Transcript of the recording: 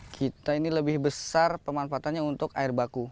kita ini lebih besar pemanfaatannya untuk air baku